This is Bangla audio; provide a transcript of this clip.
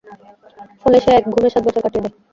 ফলে সে এক ঘুমে সাত বছর কাটিয়ে দেয়।